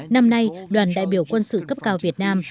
năm nay đoàn đại biểu quân sự cấp cao việt nam